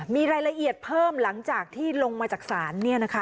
มีรายละเอียดเพิ่มหลังจากที่ลงมาจากศาล